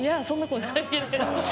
そんなこと関係ない」